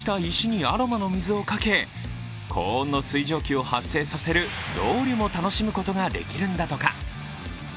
まきストーブで熱した石にアロマの水をかけ、高温の水蒸気を発生させるロウリュも楽しむことができるんだとか。